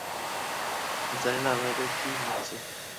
জানি না মেয়েটা কী ভাবছে।